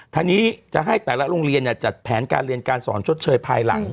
ทางนี้จะให้แต่ละโรงเรียนจัดแผนการเรียนการสอนชดเชยภายหลัง